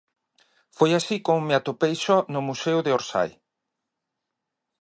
Foi así como me atopei só no museo de Orsay.